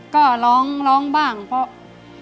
ก็ร้องร้องบ้างเพราะ